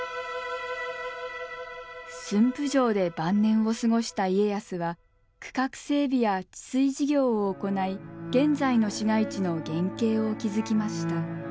駿府城で晩年を過ごした家康は区画整備や治水事業を行い現在の市街地の原型を築きました。